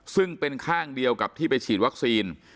ซึ่งเป็นข้างเดียวกับที่ไปฉีดวัคซีน